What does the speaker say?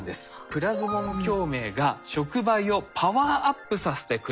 プラズモン共鳴が触媒をパワーアップさせてくれる。